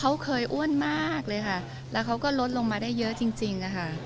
เขาเคยอ้วนมากเลยค่ะแล้วเขาก็ลดลงมาได้เยอะจริงจริงอะค่ะ